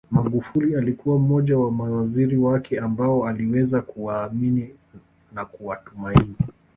Magufuli alikuwa mmoja wa mawaziri wake ambao aliweza kuwaamini na kuwatumaini